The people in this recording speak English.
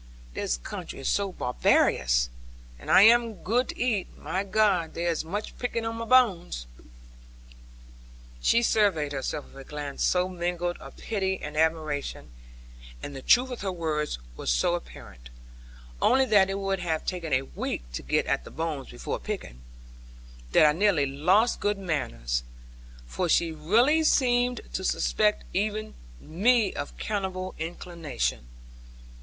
This country is so barbarous. And I am good to eat my God, there is much picking on my bones!' She surveyed herself with a glance so mingled of pity and admiration, and the truth of her words was so apparent (only that it would have taken a week to get at the bones, before picking) that I nearly lost good manners; for she really seemed to suspect even me of cannibal inclinations.